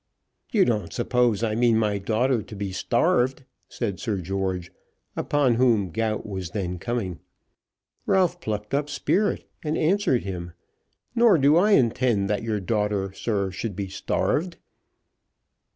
"You don't suppose I mean my daughter to be starved?" said Sir George, upon whom gout was then coming. Ralph plucked up spirit and answered him. "Nor do I intend that your daughter, sir, should be starved."